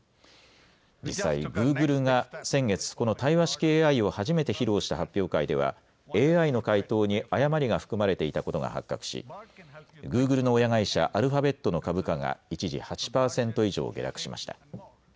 実際、グーグルが先月、この対話式ＡＩを初めて披露した発表会ではＡＩの回答に誤りが含まれていたことが発覚しグーグルの親会社、アルファベットの株価が一時８％以上下落しました。